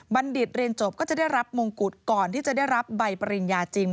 ดิตเรียนจบก็จะได้รับมงกุฎก่อนที่จะได้รับใบปริญญาจริง